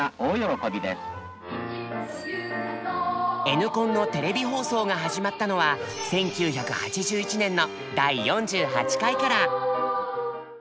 Ｎコンのテレビ放送が始まったのは１９８１年の第４８回から。